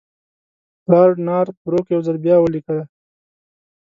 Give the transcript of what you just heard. لارډ نارت بروک یو ځل بیا ولیکل.